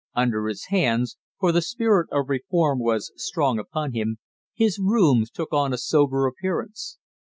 Under his hands for the spirit of reform was strong upon him his rooms took on a sober appearance.